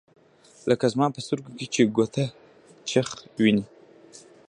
لکه زما په سترګو کې چي “ګوتهک چرچ” ویني